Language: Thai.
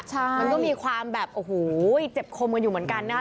ใช่มันก็มีความแบบโอ้โหเจ็บคมกันอยู่เหมือนกันนะคะ